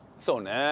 そうね。